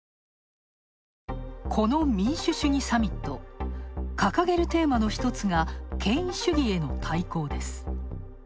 この民主主義サミット、掲げるテーマの一つが権威主義への対抗です。